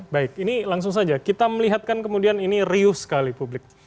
baik ini langsung saja kita melihatkan kemudian ini riuh sekali publik